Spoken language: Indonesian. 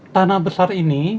tanah besar ini